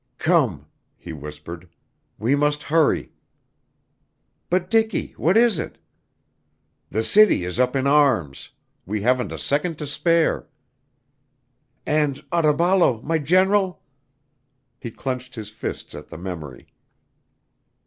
"Come," he whispered, "we must hurry." "But Dicky what is it?" "The city is up in arms. We haven't a second to spare." "And Otaballo my general?" He clenched his fists at the memory.